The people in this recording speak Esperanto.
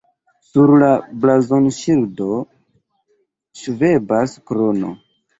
Sur la blazonŝildo ŝvebas krono.